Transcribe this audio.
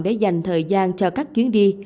để dành thời gian cho các chuyến đi